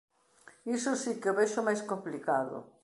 "Iso si que o vexo máis complicado.